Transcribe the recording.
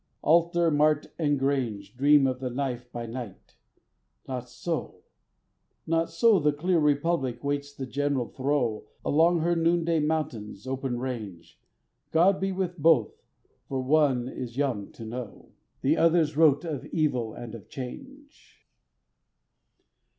Altar, mart, and grange Dream of the knife by night; not so, not so The clear Republic waits the general throe, Along her noonday mountains' open range. God be with both! for one is young to know The other's rote of evil and of change.